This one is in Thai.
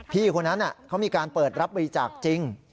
คนนั้นเขามีการเปิดรับบริจาคจริง